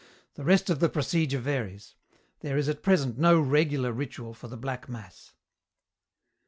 The rest of the procedure varies. There is at present no regular ritual for the black mass."